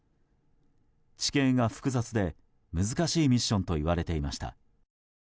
地形が複雑で難しいミッションと言われていました。